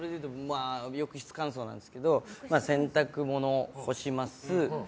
浴室乾燥なんですけどまず、洗濯物干します。